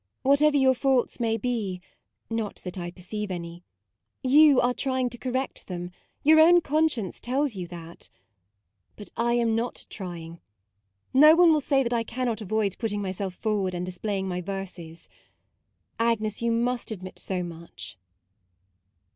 Whatever your faults may be (not that I perceive any), you are trying to correct them; your own conscience tells you that. But I am not trying. No one will say that I cannot avoid putting my self forward and displaying my verses. Agnes, you must admit so much."